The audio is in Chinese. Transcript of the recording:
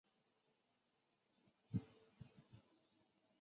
已知的内分泌干扰素烷基酚也是一种仿雌激素。